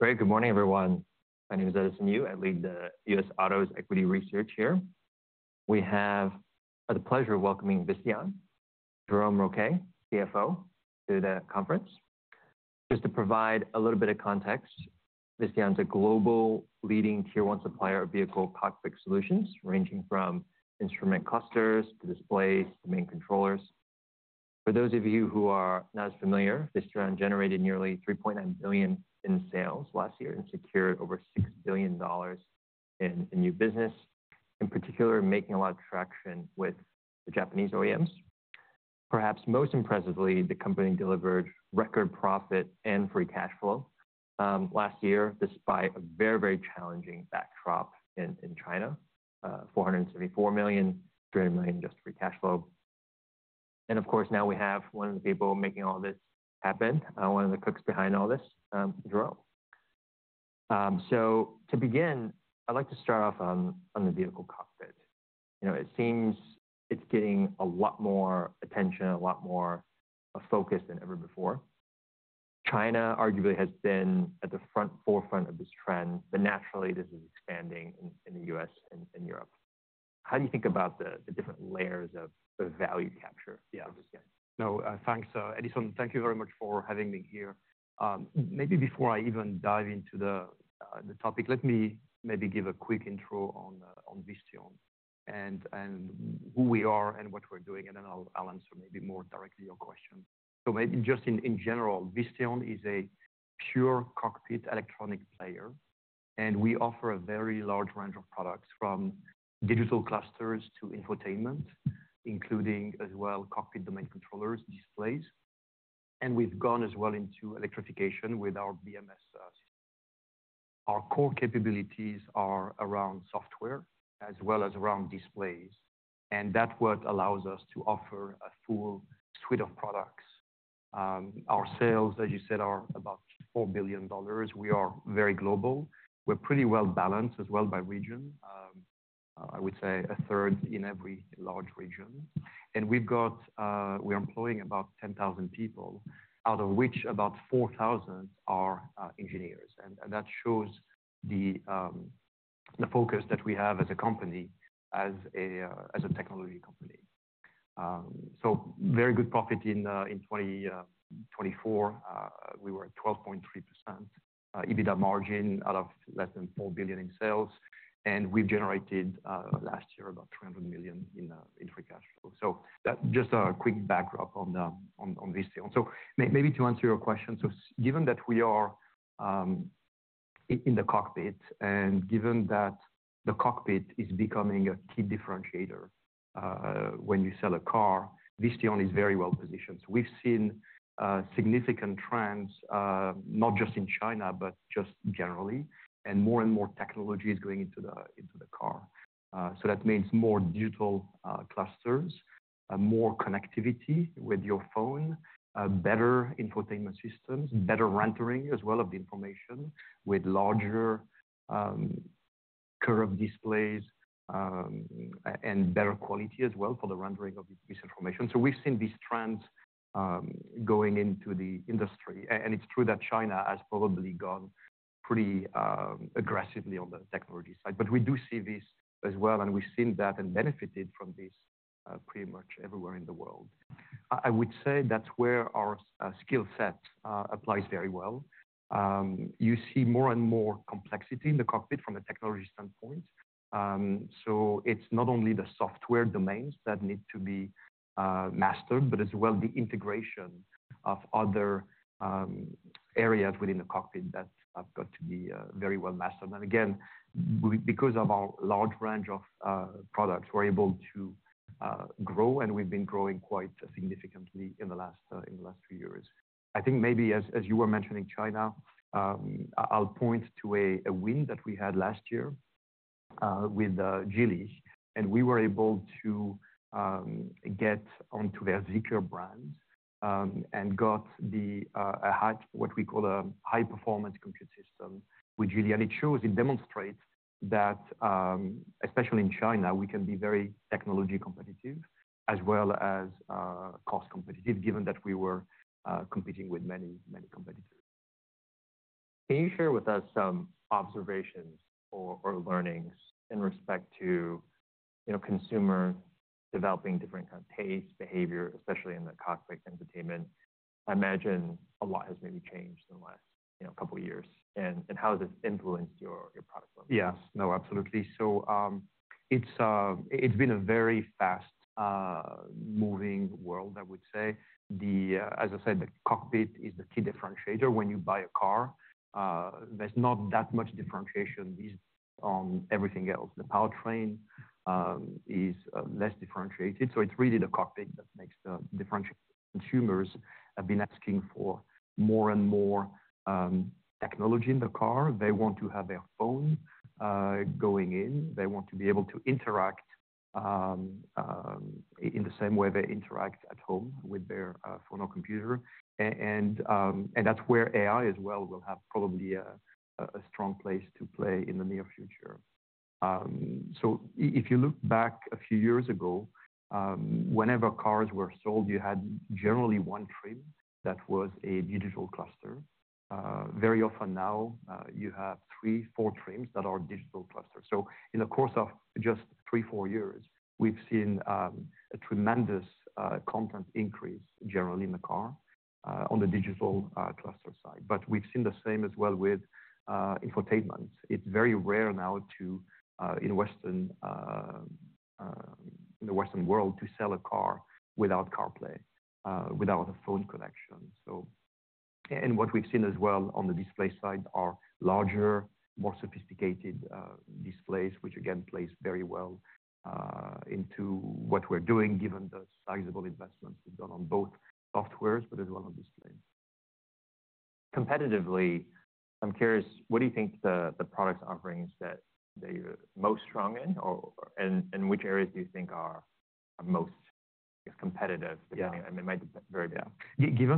Great. Good morning, everyone. My name is Edison Yu. I lead the U.S. Autos equity research. Here. We have the pleasure of welcoming Visteon Jerome Rouquet, CFO, to the conference. Just to provide a little bit of context, Visteon is a global leading Tier 1 supplier of vehicle cockpit solutions, ranging from instrument clusters to displays to main controllers. For those of you who are not as familiar, Visteon generated nearly $3.9 billion in sales last year and secured over $6 billion in new business. In particular, making a lot of traction with the Japanese OEMs. Perhaps most impressively, the company delivered record profit and free cash flow last year, despite a very, very challenging backdrop in China, $474.3 billion just free cash flow. Of course, now we have one of the people making all this, one of the cooks behind all this, Jerome. To begin, I'd like to start. Off on the vehicle cockpit. It seems it's getting a lot more attention, a lot more focus than ever before. China arguably has been at the forefront of this trend, but naturally this is expanding in the U.S. and Europe. How do you think about the different layers of the of value capture you have this year? Yeah, no, thanks, Edison. Thank you very much for having me here. Maybe before I even dive into the topic, let me maybe give a quick intro on Visteon and who we are and what we're doing and then I'll answer maybe more directly your question. Maybe just in general, Visteon is a pure cockpit electronic player. We offer a very large range of products from digital clusters to infotainment, including as well cockpit domain controllers, displays. We've gone as well into electrification with our BMS system. Our core capabilities are around software as well as around displays and that is what allows us to offer a full suite of products. Our sales, as you said, are about $4 billion. We are very global. We're pretty well balanced as well by region. I would say a third in every large region. We are employing about 10,000 people, out of which about 4,000 are engineers. That shows the focus that we have as a company, as a technology company. Very good profit. In 2024, we were at 12.3% EBITDA margin out of less than $4 billion in sales. We generated last year about $300 million in free cash flow. Just a quick backdrop on this sale. Maybe to answer your question, given that we are in the cockpit, and given that the cockpit is becoming a key differentiator when you sell a car, Visteon is very well positioned. We've seen significant trends not just in China, but just generally and more and more technology is going into the car. That means more digital clusters, more connectivity with your phone, better infotainment systems, better rendering as well of the information with larger curved displays and better quality as well for the rendering of the misinformation. We have seen these trends going into the industry and it is true that China has probably gone pretty aggressively on the technology side. We do see this as well. We have seen that and benefited from this pretty much everywhere in the world. I would say that is where our skill set applies very well. You see more and more complexity in the cockpit from a technology standpoint. It is not only the software domains that need to be mastered, but as well the integration of other areas within the cockpit that have got to be very well mastered. Because of our large range of products, we're able to grow and we've been growing quite significantly in the last few years. I think maybe as you were mentioning China, I'll point to a win that we had last year with Geely and we were able to get onto their Zeekr brand and got what we call a high performance compute system with Geely. It shows. It demonstrates that especially in China we can be very technology competitive as well as cost competitive. Given that we were competing with many competitors. Can you share with us some observations or learnings in respect to consumers developing different kind of taste behavior, especially in the cockpit entertainment? I imagine a lot has maybe changed in the last couple years. How has it influenced your product? Yes, no, absolutely. It's been a very fast moving world I would say. As I said, the cockpit is the key differentiator when you buy a car. There's not that much differentiation on everything else. The powertrain is less differentiated. It is really the cockpit that makes the differentiated. Consumers have been asking for more and more technology in the car. They want to have their phone going in. They want to be able to interact in the same way they interact at home with their phone or computer. That is where AI as well will have probably a strong place to play in the near future. If you look back a few years ago, whenever cars were sold, you had generally one trim that was a digital cluster. Very often now you have three, four trims that are digital clusters. In the course of just three, four years, we've seen a tremendous content increase generally in the car on the digital cluster side. We've seen the same as well with Infotainment. It's very rare now in the western world to sell a car without CarPlay, without a phone connection. What we've seen as well on the display side are larger, more sophisticated displays, which again plays very well into what we're doing given the sizable investments done on both softwares, but as well as on displays Competitively, I'm curious, what do you think the products offerings that they're most strong in, which areas do you think are most competitive? Given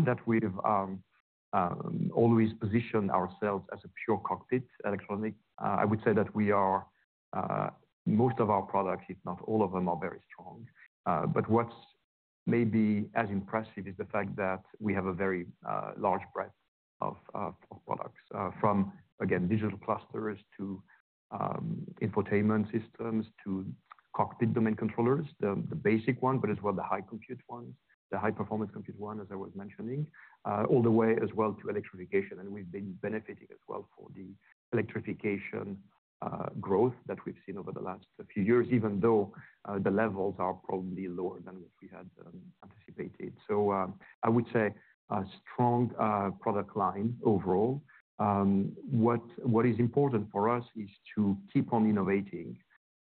that we've always positioned ourselves as a pure cockpit electronic, I would say that we are most of our products, if not all of them, are very strong. What is maybe as impressive is the fact that we have a very large breadth of products from, again, digital clusters to infotainment systems to cockpit domain controllers, the basic one, but as well the high compute ones, the high performance compute one as I was mentioning, all the way as well to electrification. We have been benefiting as well from the electrification growth that we've seen over the last few years, even though the levels are probably lower than we had anticipated. I would say a strong product line overall. What is important for us is to keep on innovating.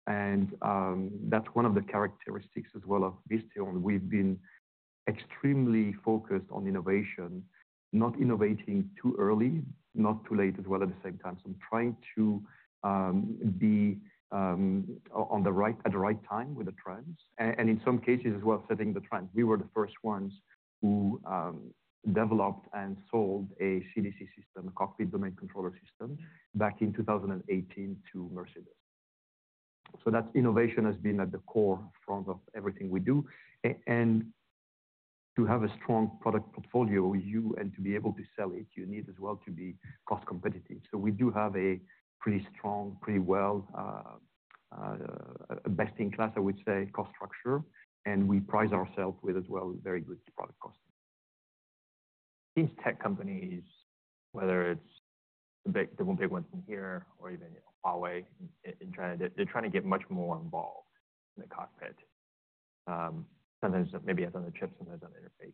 That is one of the characteristics as well of Visteon. We've been extremely focused on innovation, not innovating too early, not too late as well at the same time. Trying to be at the right time with the trends and in some cases as well setting the trend. We were the first ones who developed and sold a CDC system, cockpit domain controller system, back in 2018 to Mercedes. That innovation has been at the core front of everything we do. To have a strong product portfolio and to be able to sell it, you need as well to be cost competitive. We do have a pretty strong, pretty well, best in class, I would say, cost structure and we prize ourselves with as well very good product cost. These tech companies, whether it's the big one from here or even Huawei in China, they're trying to get much more involved in the cockpit. Sometimes maybe as on the chip, sometimes on the interface.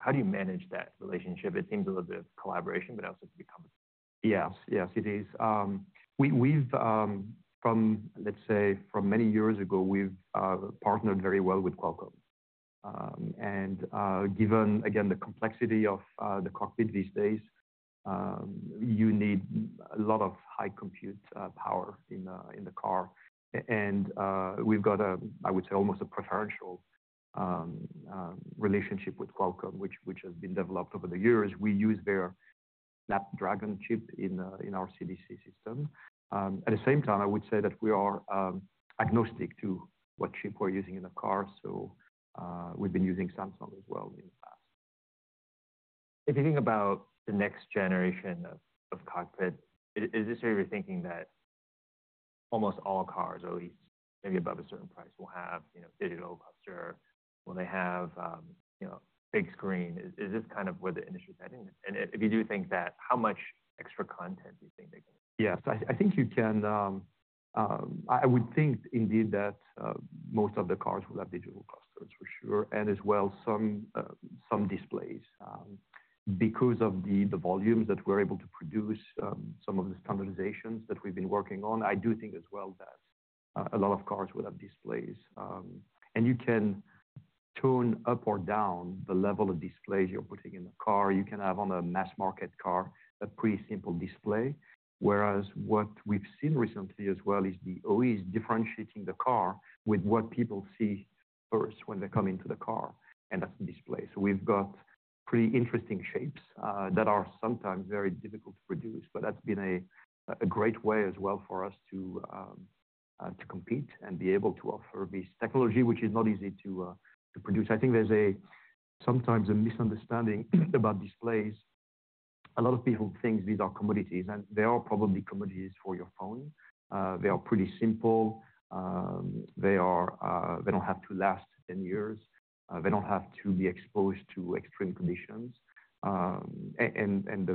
How do you manage that relationship? It seems a little bit of collaboration, but also to become. Yes, yes, it is. We've, from, let's say from many years ago, we've partnered very well with Qualcomm and given again the complexity of the cockpit these days you need a lot of high compute power in the car and we've got, I would say, almost a preferential relationship with Qualcomm which has been developed over the years. We use their Snapdragon chip in our CDC system. At the same time, I would say that we are agnostic to what chip we're using in the car. So we've been using Samsung as well in the past. If you think about the next generation of cockpit is this way, you're thinking. That almost all cars, at least maybe above a certain price will have digital cluster. Will they have, you know, big screen? Is this kind of where the industry is heading? If you do think that, how much extra content do you think they can? Yes, I think you can. I would think indeed that most of the cars will have digital clusters for sure. I think as well some displays because of the volumes that we're able to produce, some of the standardizations that we've been working on. I do think as well that a lot of cars will have displays and you can tone up or down the level of displays you're putting in the car. You can have on a mass market car a pretty simple display. Whereas what we've seen recently as well is the OEMs differentiating the car with what people see first when they come into the car and that's the display. We have pretty interesting shapes that are sometimes very difficult to produce. That's been a great way as well for us to compete and be able to offer this technology, which is not easy to produce. I think there's sometimes a misunderstanding about displays. A lot of people think these are commodities, and they are probably commodities for your phone. They are pretty simple, they do not have to last 10 years, they do not have to be exposed to extreme conditions, and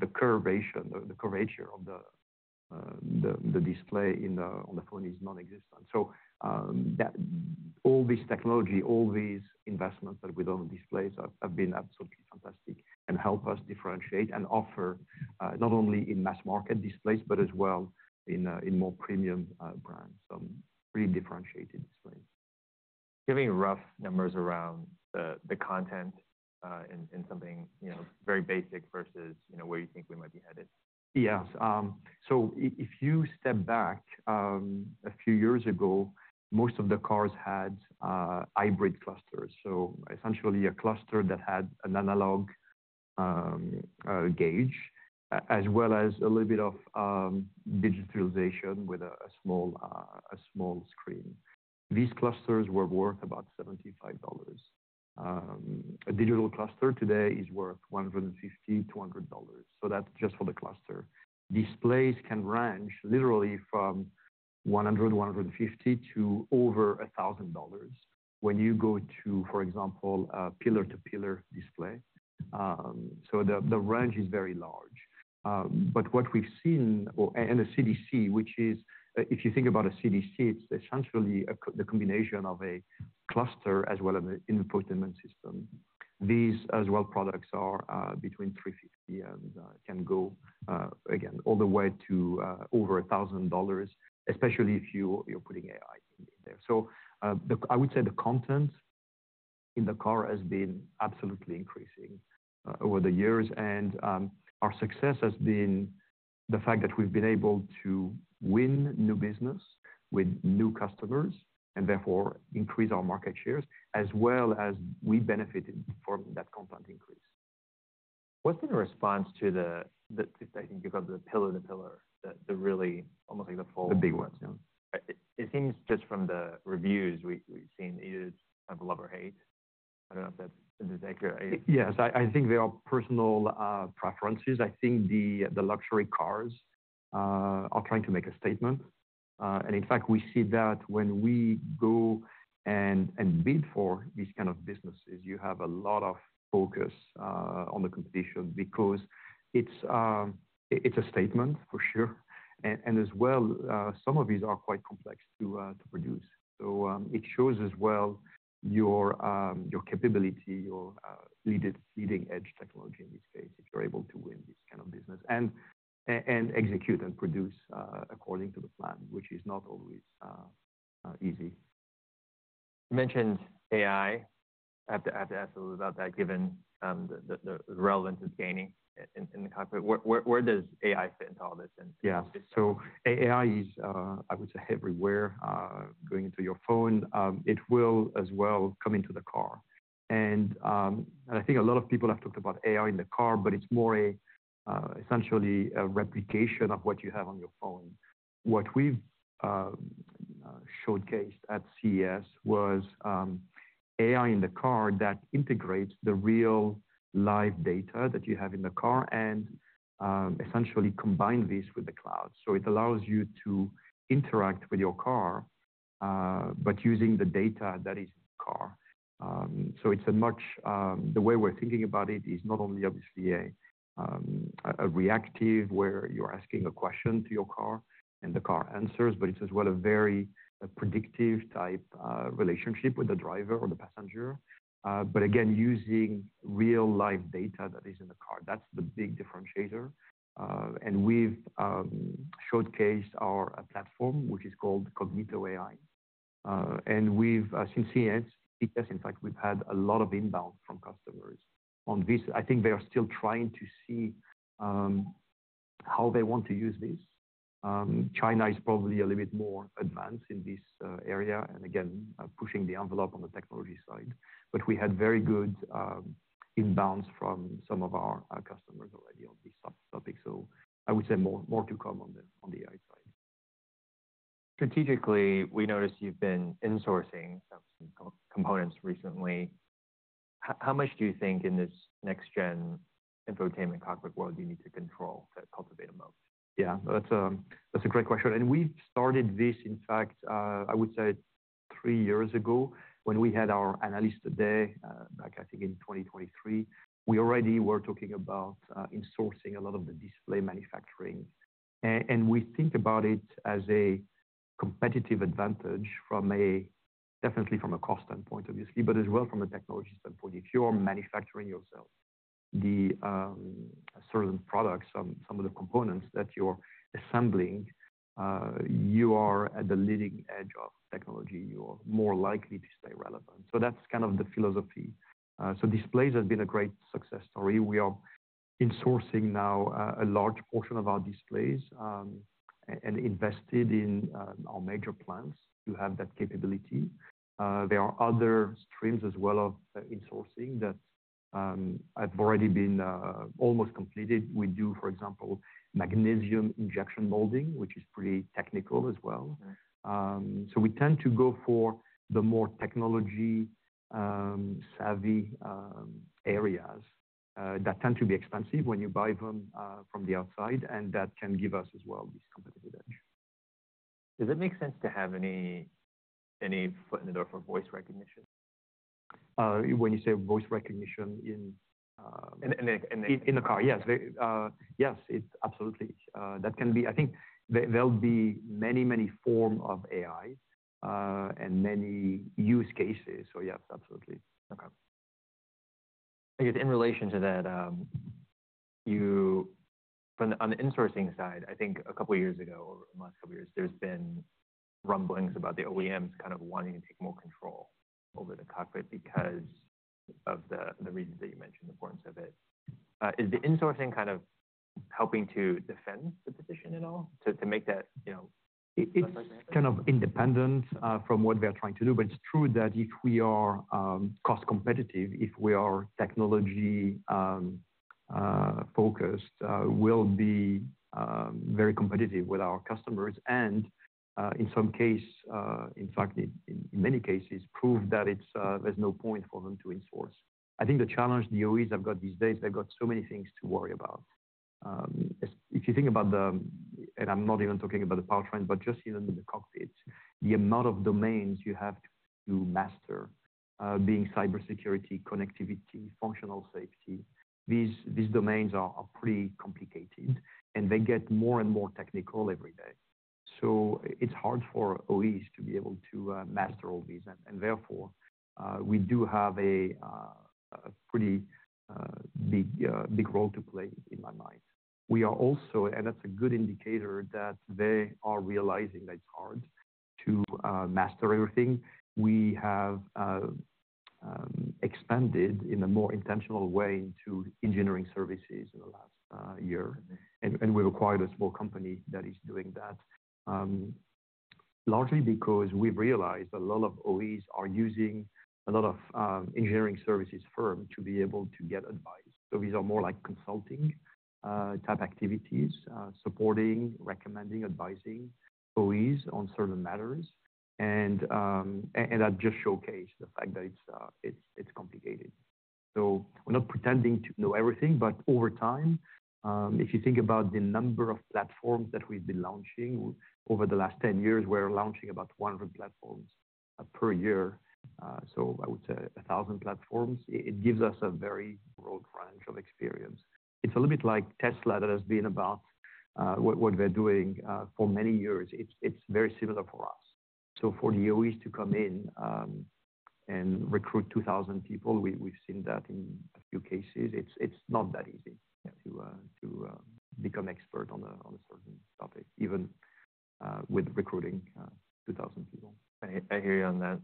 the curvature, the curvature of the display on the phone is non-existent. All this technology, all these investments that we've done on displays have been absolutely fantastic and help us differentiate and offer not only in mass market displays, but as well in more premium brands, really differentiated displays. Giving rough numbers around, the content in something very basic versus where you think we might be headed. Yes. If you step back a few years ago, most of the cars had hybrid clusters. Essentially, a cluster that had an analog gauge as well as a little bit of digitalization with a small screen, these clusters were worth about $75. A digital cluster today is worth $150-$200. That is just for the cluster. Displays can range literally from $100-$150 to over $1,000 when you go to, for example, pillar to pillar display. The range is very large. What we have seen, and a CDC, which is, if you think about a CDC, it is essentially the combination of a cluster as well as an infotainment system. These products are between $350 and can go again all the way to over $1,000, especially if you are putting AI in there. I would say the content in the car has been absolutely increasing over the years and our success has been the fact that we've been able to win new business with new customers and therefore increase our market shares as well as we benefited from that content increase. What's been a response to the—I think you've got the pillar, the pillar, the really almost like the fold, the big ones. It seems just from the reviews we've seen, is Golf 8 I don't know if that is accurate. Yes, I think there are personal preferences. I think the luxury cars are trying to make a statement, and in fact we see that when we go and bid for these kind of businesses, you have a lot of focus on the competition because it's a statement for sure. As well, some of these are quite complex to produce. It shows as well your capability, your leading edge technology in this case, if you're able to win this game of business and execute and produce according to the plan, which is not always easy. You mentioned AI. I have to ask a little about that. Given the relevance of gaining in the cockpit, where does AI fit into all this? AI is, I would say, everywhere going into your phone. It will as well come into the car. I think a lot of people have talked about AI in the car, but it's more essentially a replication of what you have on your phone. What we've showcased at CES was AI in the car that integrates the real live data that you have in the car and essentially combines this with the cloud so it allows you to interact with your car but using the data that is in the car. The way we're thinking about it is not only obviously a reactive, where you're asking a question to your car and the car answers, but it's as well a very predictive type relationship with the driver or the passenger. Again, using real live data that is in the car. That's the big differentiator. We have showcased our platform, which is called Cognito AI, and we have since seen, in fact, we have had a lot of inbound from customers. I think they are still trying to see how they want to use this. China is probably a little bit more advanced in this area and again pushing the envelope on the technology side. We have had very good inbounds from some of our customers already on this topic. I would say more to come on the AI side. Strategically, we noticed you've been insourcing components recently. How much do you think in this next-gen infotainment cockpit world you need to control that, cultivate a moat? Yeah, that's a great question. We started this in fact, I would say three years ago when we had our analyst day back, I think in 2023, we already were talking about insourcing a lot of the display manufacturing. We think about it as a competitive advantage from a, definitely from a cost standpoint, obviously, but as well from a technology standpoint. If you're manufacturing yourself the certain products, some of the components that you're assembling, you are at the leading edge of technology. You're more likely to stay relevant. That's kind of the philosophy. Displays has been a great success story. We are insourcing now a large portion of our displays and invested in our major plants to have that capability. There are other streams as well of insourcing that have already been almost completed. We do, for example, magnesium injection molding, which is pretty technical as well. We tend to go for the more technology savvy areas that tend to be expensive when you buy them from the outside that can give us as well competitive edge. Does it make sense to have any foot in the door for voice recognition? When you say voice recognition in the car? Yeah. Yes, yes, absolutely. That can be. I think there'll be many, many forms of AI and many use cases. Yes, absolutely. I guess in relation to that, you on the insourcing side, I think a couple years ago, in the last couple years there's been rumblings about the OEMs kind of wanting to take more control over the cockpit because of the reasons that you mentioned, the importance of it. Is the insourcing kind of helping to defend the position at all to make? That kind of independent from what they're trying to do. But it's true that if we are cost competitive, if we are technology focused, will be very competitive with our customers and in some case, in fact, in many cases prove that it's. There's no point for them to insource. I think the challenge the OEs have got these days, they've got so many things to worry about. If you think about the, and I'm not even talking about the powertrain, but just even in the cockpit. The amount of domains you have to master being cybersecurity, connectivity, functional safety. These domains are pretty complicated and they get more and more technical every day. So it's hard for OEs to be able to master all these and therefore we do have a pretty big role to play in my mind. We are also, and that's a good indicator that they are realizing that it's hard to master everything. We have expanded in a more intentional way into engineering services in the last year, and we've acquired a small company that is doing that largely because we've realized a lot of OEs are using a lot of engineering services firm to be able to get advice. These are more like consulting type activities, supporting, recommending, advising on certain matters. It just showcases the fact that it's complicated. We're not pretending to know everything, but over time, if you think about the number of platforms that we've been launching over the last 10 years, we're launching about 100 platforms per year, I would say 1,000 platforms. It gives us a very broad range of experience. It's a little bit like Tesla that has been about what they're doing for many years. It's very similar for us. For the OEs to come in and recruit 2,000 people, we've seen that in a few cases it's not that easy to become expert on a certain topic. Even with recruiting 2,000 people. I hear you on that.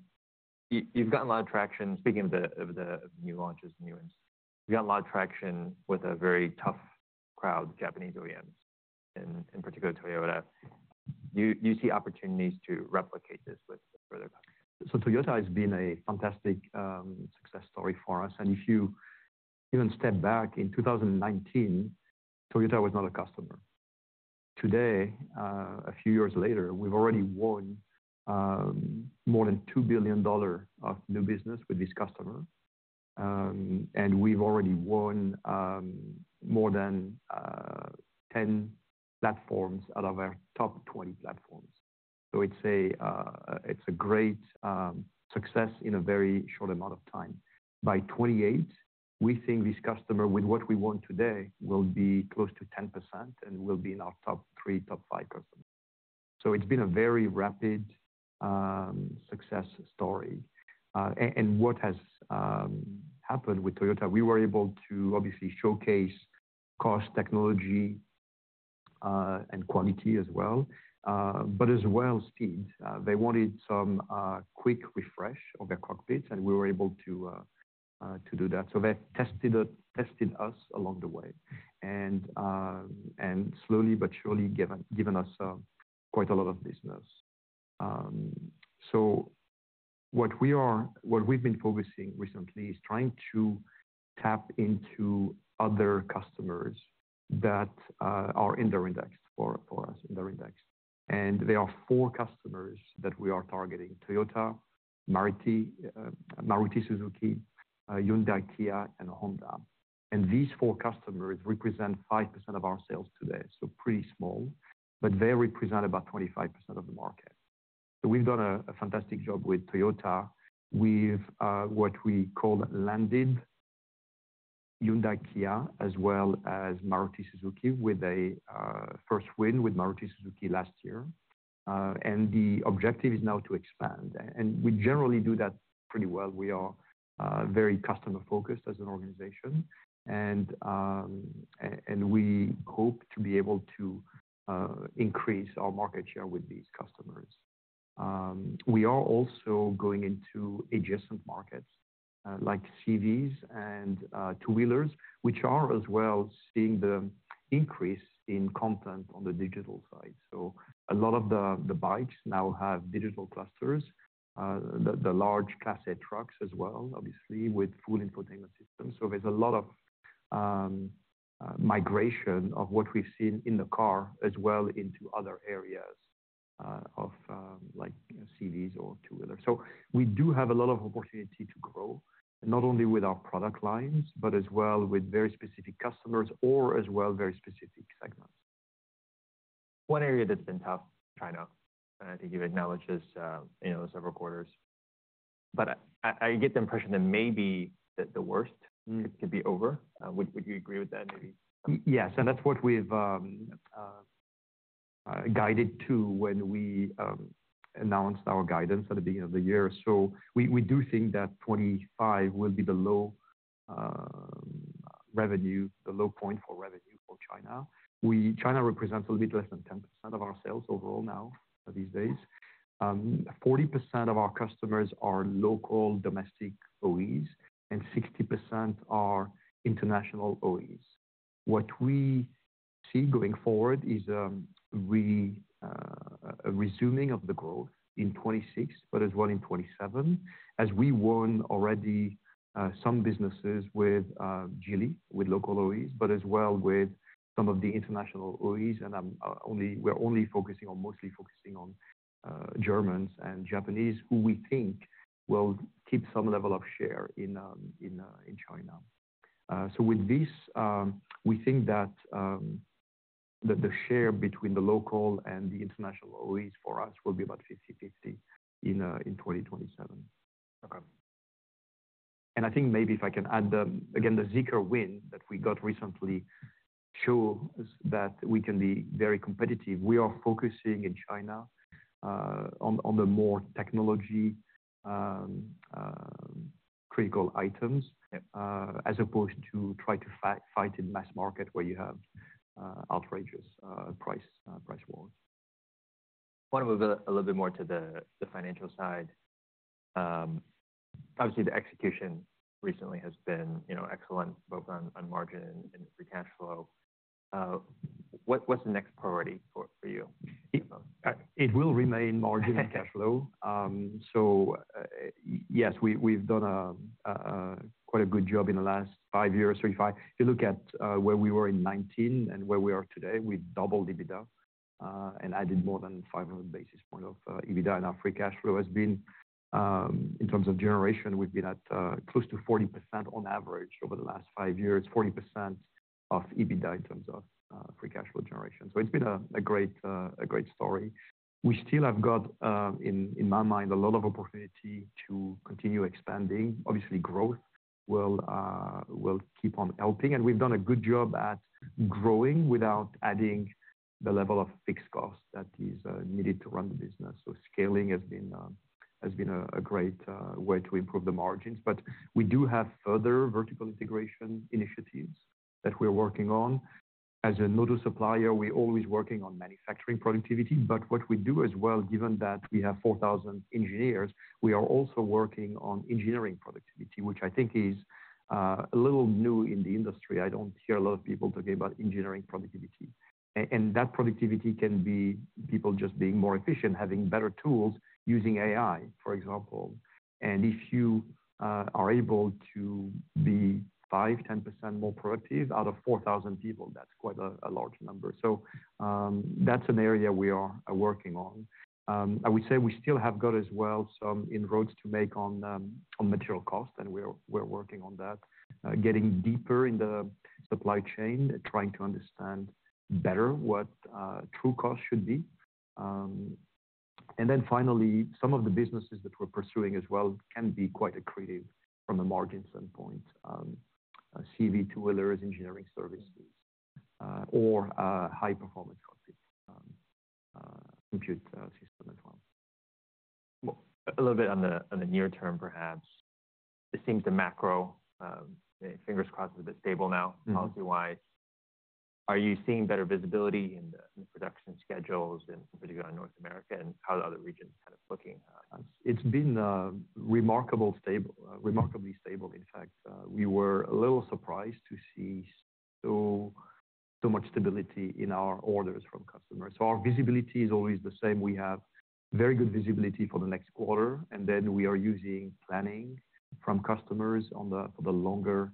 You've got a lot of traction speaking of the new launches, new ones, you've got a lot of traction with a very tough crowd, Japanese OEMs in particular, Toyota. You see opportunities to replicate this with further. Toyota has been a fantastic success story for us. If you even step back in 2019, Toyota was not a customer. Today, a few years later, we have already won more than $2 billion of new business with this customer. We have already won more than 10 platforms out of our top 20 platforms. It is a great success in a very short amount of time. By 2028, we think this customer, with what we have won today, will be close to 10% and will be in our top three to top five customers. It has been a very rapid success story. What has happened with Toyota, we were able to obviously showcase cost, technology, and quality as well, but also speed. They wanted some quick refresh of their cockpits and we were able to do that. They tested us along the way and slowly but surely given us quite a lot of business. What we've been focusing recently is trying to tap into other customers that are indoor indexed for U.S. indoor index. There are four customers that we are targeting: Toyota, Maruti Suzuki, Hyundai, Kia, and Honda. These four customers represent 5% of our sales today, so pretty small, but they represent about 25% of the market. We've done a fantastic job with Toyota with what we call landed Hyundai, Kia, as well as Maruti Suzuki with a first win with Maruti Suzuki last year. The objective is now to expand and we generally do that pretty well. We are very customer focused as an organization and we hope to be able to increase our market share with these customers. We are also going into adjacent markets like CVs and two wheelers which are as well seeing the increase in content on the digital side. A lot of the bikes now have digital clusters, the large class A trucks as well, obviously with full infotainment system. There is a lot of migration of what we have seen in the car as well into other areas of like CVs or two wheelers. We do have a lot of opportunity to grow not only with our product lines but as well with very specific customers or as well very specific segments. One area that's been tough, China. And I think you've acknowledged this, you know, several quarters but I get the impression that maybe the worst could be over. Would you agree with that? Yes. And that's what we've guided to when we announced our guidance at the beginning of the year. We do think that 2025 will be the low point for revenue for China. China represents a little bit less than 10% of our sales overall. Now these days 40% of our customers are local domestic OEs and 60% are international OEs. What we see going forward is a resuming of the growth in 2026, but as well in 2027 as we won already some businesses with Geely with local OEs but as well with some of the international OEs. We're only focusing on, mostly focusing on Germans and Japanese who we think will keep some level of share in China. With this we think that the share between the local and the international OEs for us will be about 50-50 in 2027. I think maybe if I can add again, the Zeekr win that we got recently shows that we can be very competitive. We are focusing in China on the more technology-critical items as opposed to trying to fight in mass market where you have outrageous price wars. Want to move a little bit more to the financial side. Obviously the execution recently has been excellent both on margin and free cash flow. What's the next priority for you? It will remain margin and cash flow. Yes, we've done quite a good job in the last five years. If you look at where we were in 2019 and where we are today, we doubled EBITDA and added more than 500 basis points of EBITDA. Our free cash flow has been, in terms of generation, we've been at close to 40% on average over the last five years, 40% of EBITDA in terms of free cash flow generation. It has been a great story. We still have got, in my mind, a lot of opportunity to continue expanding. Obviously, growth will keep on helping and we've done a good job at growing without adding the level of fixed cost that is needed to run the business. Scaling has been a great way to improve the margins. We do have further vertical integration initiatives that we're working on. As a mortal supplier, we're always working on manufacturing productivity. What we do as well, given that we have 4,000 engineers, we are also working on engineering productivity, which I think is a little new in the industry. I don't hear a lot of people talking about engineering productivity and that productivity can be people just being more efficient, having better tools, using AI, for example. If you are able to be 5%-10% more productive out of 4,000 people, that's quite a large number. That is an area we are working on, I would say. We still have got as well some inroads to make on material cost and we're working on that, getting deeper in the supply chain, trying to understand better what true cost should be. Finally, some of the businesses that we're pursuing as well can be quite accretive from a margin standpoint. CV toolers, engineering services or high performance compute system as well, a little bit. On the near term perhaps it seems the macro, fingers crossed, it's a bit stable now policy wise. Are you seeing better visibility in production schedules in particular in North America and how are the other regions looking? It's been remarkably stable. In fact, we were a little surprised to see so much stability in our orders from customers. Our visibility is always the same. We have very good visibility for the next quarter and then we are using planning from customers for the longer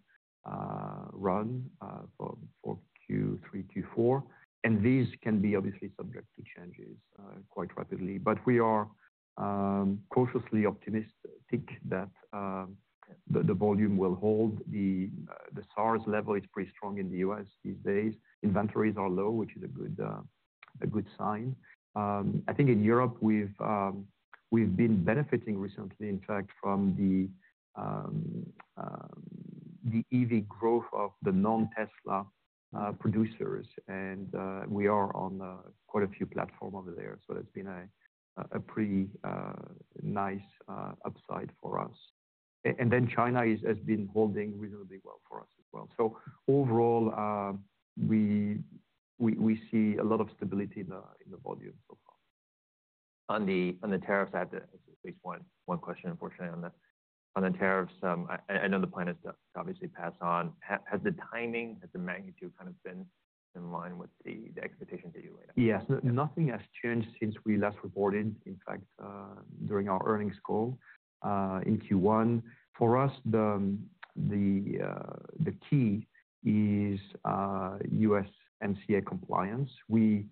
run for Q3 to Q4, and these can be obviously subject to changes quite rapidly. We are cautiously optimistic that the volume will hold the SARS level. It's pretty strong in the U.S. these days. Inventories are low, which is a good sign. I think in Europe we've been benefiting recently in fact from the EV growth of the non-Tesla producers and we are on quite a few platform over there. That's been a pretty nice upside for us. China has been holding reasonably well for us as well. Overall we see a lot of stability in the volume so far. On the tariffs, I had to at least one question, unfortunately, on the tariffs. I know the plan is obviously passed on. Has the timing, has the magnitude kind of been in line with the expectations that you laid out? Yes, nothing has changed since we last reported. In fact, during our earnings call in Q1. For us the key is USMCA compliance. We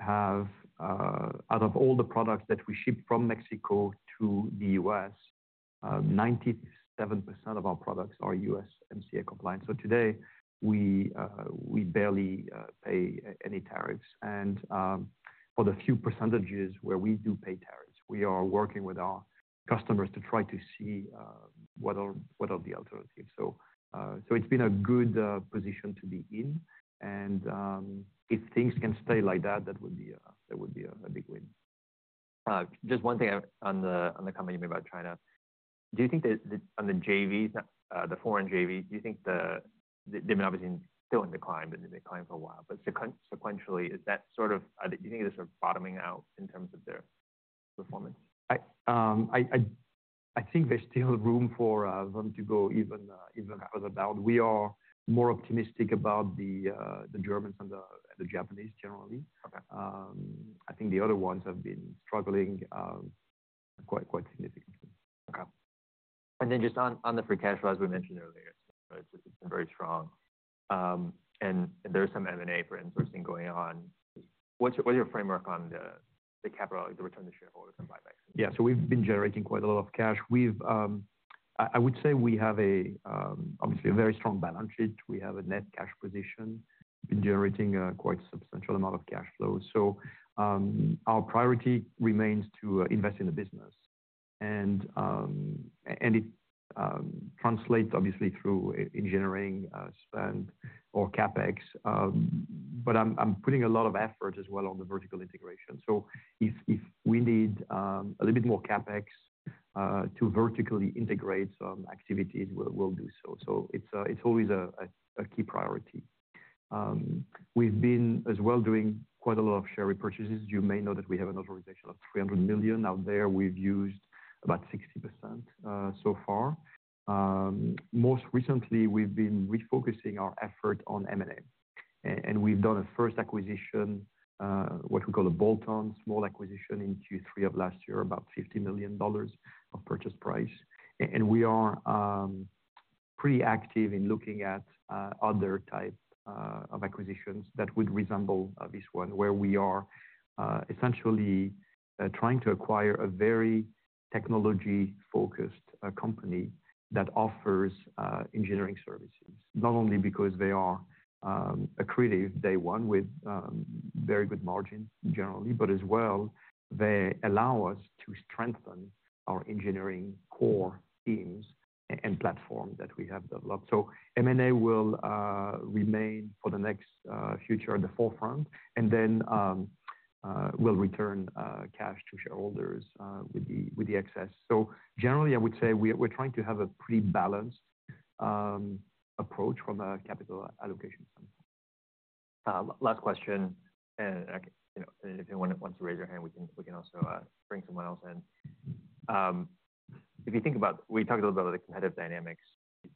have out of all the products that we ship from Mexico to the U.S., 97% of our products are USMCA compliant today we barely pay any tariffs and for the few percentages where we do pay tariffs, we are working with our customers to try to see what are the alternatives. It has been a good position to be in and if things can stay like that, that would be a big win. Just one thing on the comment you made about China, do you think that on the JV, the foreign JV, do you think they've been obviously still in decline, but they've declined for a while, but sequentially is that sort of, do you think they're sort of bottoming out in terms of their performance? I think there's still room for them to go even further down. We are more optimistic about the Germans and the Japanese. I think the other ones have been struggling quite significantly. And then just on. The free cash flow, as we mentioned earlier, it's very strong and there's some M&A for insourcing going on. What is your framework on the capital, the return to shareholders and buybacks? Yeah, so we've been generating quite a lot of cash, I would say we have obviously a very strong balance sheet. We have a net cash position, been generating quite substantial amount of cash flow. Our priority remains to invest in the business. It translates obviously through engineering spend or CapEx. I am putting a lot of effort as well on the vertical integration. If we need a little bit more CapEx to vertically integrate some activities, we will do so. It is always a key priority. We have been as well doing quite a lot of share repurchases. You may know that we have an authorization of $300 million out there. We have used about 60% so far. Most recently we have been refocusing our effort on N&A. We have done a first acquisition, what we call a bolt-on small acquisition in Q3 of last year, about $50 million of purchase price. We are pretty active in looking at other types of acquisitions that would resemble this one where we are essentially trying to acquire a very technology focused company that offers engineering services not only because they are accretive day one with very good margin generally, but as well they allow us to strengthen our engineering core teams and platform that we have developed. N&A will remain for the next future at the forefront and then we'll return cash to shareholders with the excess. Generally I would say we're trying to have a pretty balanced approach from a capital allocation. Last question. If anyone wants to raise their hand, we can also bring someone else in. If you think about, we talked a little bit about the competitive dynamics.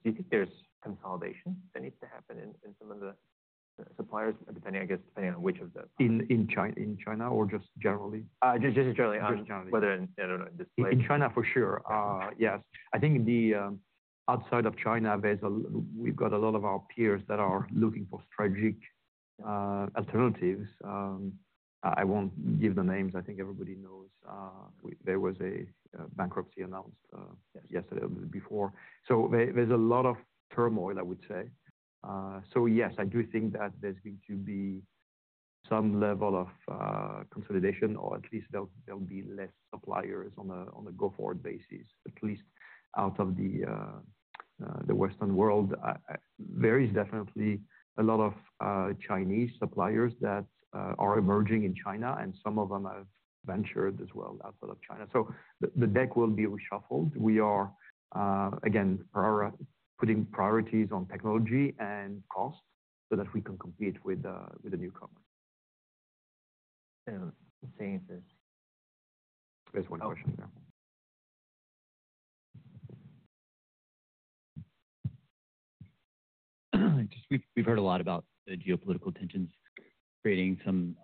Do you think there's consolidation that needs to happen in some of the suppliers? Depending, I guess, depending on which of them. In China or just generally? Just generally whether in China, for sure, yes. I think outside of China we have got a lot of our peers that are looking for strategic alternatives. I will not give the names. I think everybody knows there was a bankruptcy announced yesterday before. There is a lot of turmoil. I would say so, yes. I do think that there is going to be some level of consolidation or at least there will be fewer suppliers on a go forward basis, at least out of the Western world. There are definitely a lot of Chinese suppliers that are emerging in China and some of them have ventured as well outside of China. The deck will be reshuffled. We are again putting priorities on technology and cost so that we can compete with the newcomers. There's one question we've heard a lot about the geopolitical tensions creating some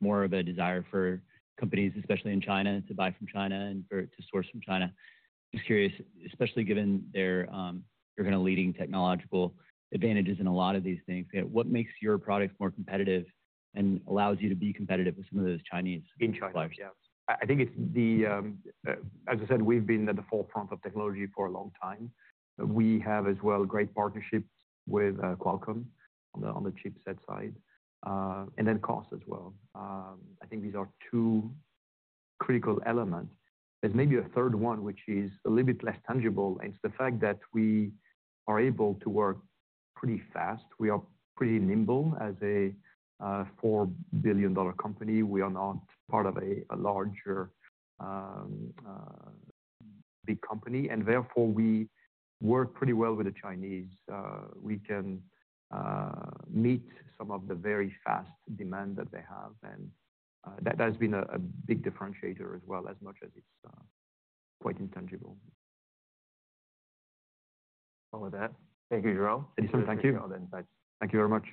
more of a desire for companies, especially in China, to buy from China and to source from China. Just curious, especially given their leading technological advantages in a lot of these things. What makes your products more competitive and allows you to be competitive with some of those Chinese players? In China, I think it's the. As I said, we've been at the forefront of technology for a long time. We have as well great partnerships with Qualcomm on the chipset side and then cost as well. I think these are two critical elements. There's maybe a third one which is a little bit less tangible. It's the fact that we are able to work pretty fast. We are pretty nimble as a $4 billion company. We are not part of a larger big company, and therefore we work pretty well with the Chinese. We can meet some of the very fast demand that they have. That has been a big differentiator as well as much as it's quite intangible. With that, thank you, Jerome. Thank you. Thank you very much.